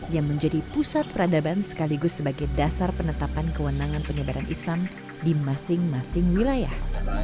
yang menjadi pusat peradaban sekaligus sebagai dasar penetapan kewenangan penyebaran islam di masing masing wilayah